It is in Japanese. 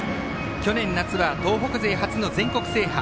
去年夏は東北勢初の全国制覇。